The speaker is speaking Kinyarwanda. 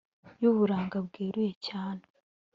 Y'uburanga bweruye cyane